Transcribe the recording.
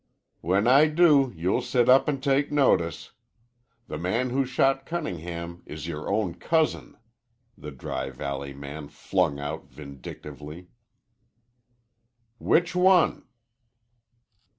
"When I do you'll sit up an' take notice. The man who shot Cunningham is yore own cousin," the Dry Valley man flung out vindictively. "Which one?"